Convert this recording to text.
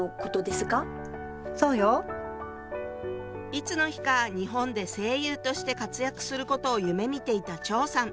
いつの日か日本で声優として活躍することを夢みていた張さん。